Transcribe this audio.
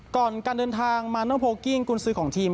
ก่อนการเดินทางมาโนโพลกิ้งกุญซื้อของทีม